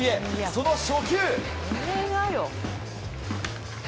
その初球。